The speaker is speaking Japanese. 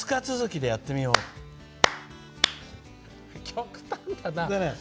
極端だな。